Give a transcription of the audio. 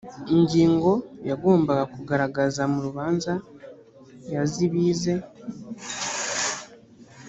ingingo yagombaga kugaragaza mu rubanza yazibize